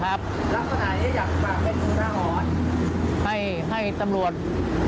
รับศนัยอยากมาเป็นภูมิทหรอ